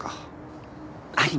あります。